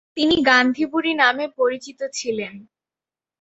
তিনি 'গান্ধীবুড়ি' নামে পরিচিত ছিলেন।